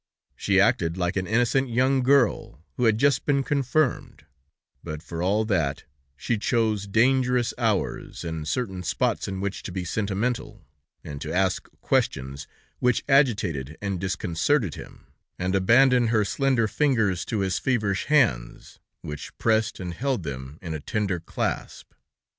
She acted like an innocent young girl, who had just been confirmed; but for all that, she chose dangerous hours and certain spots in which to be sentimental and to ask questions which agitated and disconcerted him, and abandoned her slender fingers to his feverish hands, which pressed and held them in a tender clasp.